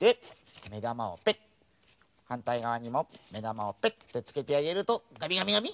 はんたいがわにもめだまをペッてつけてあげるとがみがみがみ！